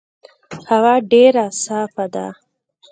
هوا ډېر صافه ده.